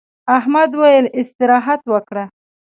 احمد وويل: استراحت وکړه.